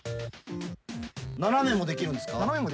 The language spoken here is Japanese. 斜めもできるんですか？